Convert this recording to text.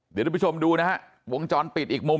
เดี๋ยวทุกผู้ชมดูนะฮะวงจรปิดอีกมุม